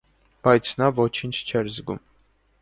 Բայց նա ոչինչ չէր զգում.